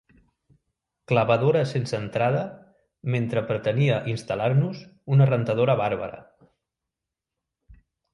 Clavadora sense entrada mentre pretenia instal·lar-nos una rentadora bàrbara.